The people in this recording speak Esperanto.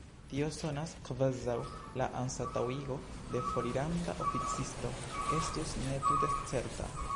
Tio sonas, kvazaŭ la anstataŭigo de foriranta oficisto estus ne tute certa.